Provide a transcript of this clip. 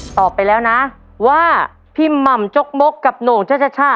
ไปแล้วนะว่าพี่หม่ำจกมกกับโหน่งช่า